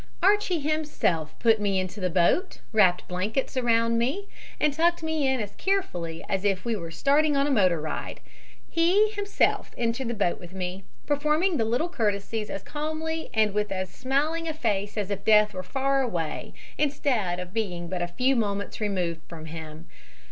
"Archie himself put me into the boat, wrapped blankets about me and tucked me in as carefully as if we were starting on a motor ride. He, himself, entered the boat with me, performing the little courtesies as calmly and with as smiling a face as if death were far away, instead of being but a few moments removed from him.